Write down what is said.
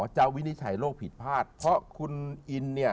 วินิจฉัยโรคผิดพลาดเพราะคุณอินเนี่ย